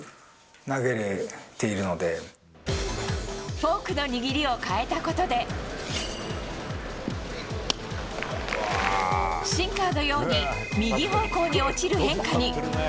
フォークの握りを変えたことでシンカーのように右方向に落ちる変化に。